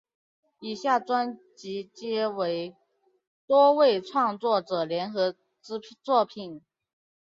以下专辑皆为多位创作者联合之作品。